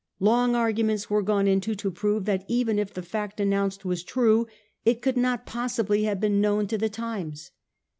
Long arguments were gone into to prove that even if the fact announced were true, it could not possibly have been known to the Times.